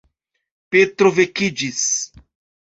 Petro vekiĝis.